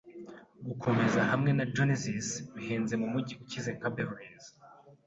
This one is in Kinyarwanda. Gukomeza hamwe na Joneses bihenze mumujyi ukize nka Beverly Hills.